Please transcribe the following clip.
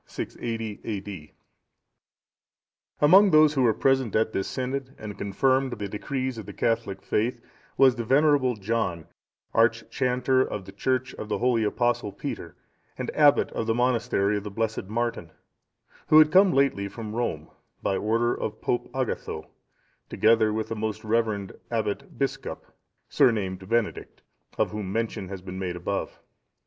[680 A.D.] Among those who were present at this synod, and confirmed the decrees of the Catholic faith, was the venerable John,(652) archchanter of the church of the holy Apostle Peter,(653) and abbot of the monastery of the blessed Martin, who had come lately from Rome, by order of Pope Agatho, together with the most reverend Abbot Biscop, surnamed Benedict,(654) of whom mention has been made above.